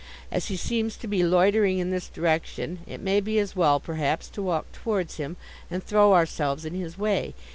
As he seems to be loitering in this direction, it may be as well, perhaps, to walk towards him, and throw ourselves in his way.